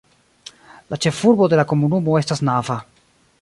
La ĉefurbo de la komunumo estas Nava.